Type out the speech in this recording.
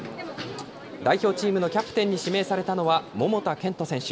代表チームのキャプテンに指名されたのは桃田賢斗選手。